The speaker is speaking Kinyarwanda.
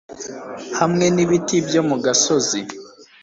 Hamwe nibiti byo mu gasozi